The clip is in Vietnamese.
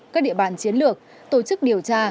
các địa bàn chiến lược tổ chức điều tra